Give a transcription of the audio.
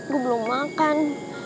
gue belum makan